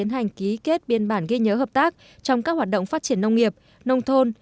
hành ký kết biên bản ghi nhớ hợp tác trong các hoạt động phát triển nông nghiệp nông thôn